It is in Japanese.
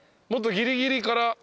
もっとギリギリから。